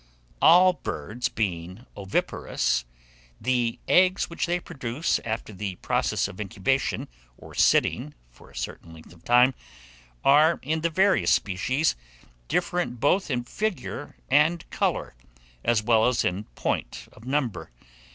ALL BIRDS BEING OVIPAROUS, the eggs which they produce after the process of incubation, or sitting for a certain length of time, are, in the various species, different both in figure and colour, as well as in point of number.